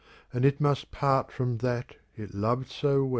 And it must part from that it loved so well.